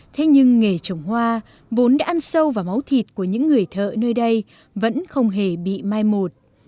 thế nhưng nghề trồng hoa vốn đã ăn sâu vào máu thịt của những người thợ nơi đây vẫn không hề bị mai một